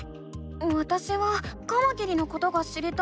わたしはカマキリのことが知りたいの。